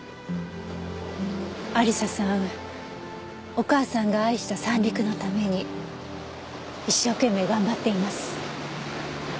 亜理紗さんお母さんが愛した三陸のために一生懸命頑張っています。